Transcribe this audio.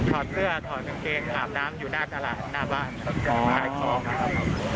ถอดเสื้อถอดกางเกงหาบน้ำอยู่ด้านน้ำบ้าน